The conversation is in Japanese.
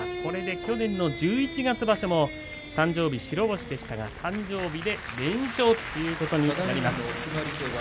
去年の十一月場所も誕生日、白星でしたが誕生日で連勝ということになります。